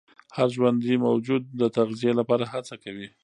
هر ژوندي موجود د تغذیې لپاره هڅه کوي.